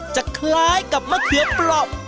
จะคล้ายกับมะเขือปลอบ